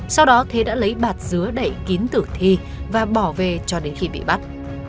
sau đó thế đã lấy bạt dứa đậy kín tử thi và bỏ về cho đến khi bị bắt